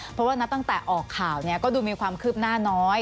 เพราะว่านับตั้งแต่ออกข่าวก็ดูมีความคืบหน้าน้อย